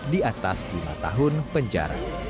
di atas lima tahun penjara